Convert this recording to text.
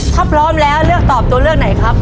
ถ้าพร้อมแล้วเลือกตอบตัวเลือกไหนครับ